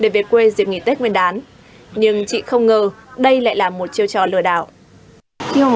về quê dịp nghỉ tết nguyên đán nhưng chị không ngờ đây lại là một chiêu trò lừa đảo